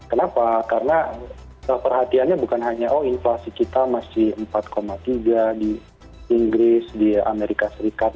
kenapa karena perhatiannya bukan hanya oh inflasi kita masih empat tiga di inggris di amerika serikat